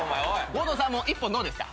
強盗さんも１本どうですか？